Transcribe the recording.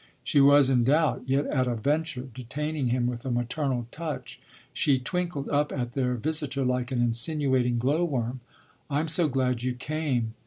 She was in doubt, yet at a venture, detaining him with a maternal touch, she twinkled up at their visitor like an insinuating glow worm. "I'm so glad you came."